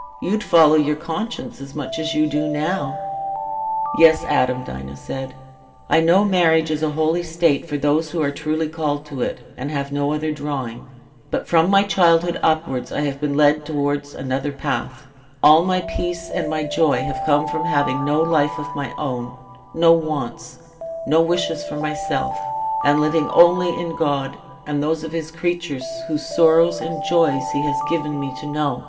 You'd follow your conscience as much as you do now." "Yes, Adam," Dinah said, "I know marriage is a holy state for those who are truly called to it, and have no other drawing; but from my childhood upwards I have been led towards another path; all my peace and my joy have come from having no life of my own, no wants, no wishes for myself, and living only in God and those of his creatures whose sorrows and joys he has given me to know.